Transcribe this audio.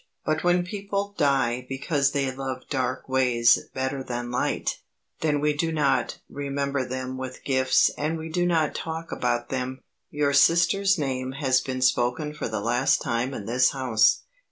But when people die because they love dark ways better than light, then we do not remember them with gifts and we do not talk about them. Your sister's name has been spoken for the last time in this house.